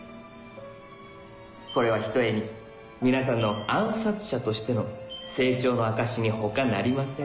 これはひとえに皆さんの暗殺者としての成長の証にほかなりません